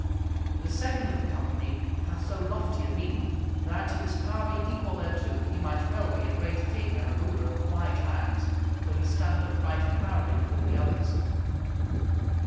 The second of the company hath so lofty a mien that, if his power be equal thereto, he might well be a great king and a ruler of wide lands, for he standeth right proudly before the others.